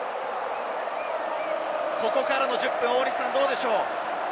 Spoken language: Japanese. ここからの１０分どうでしょう？